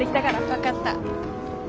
分かった。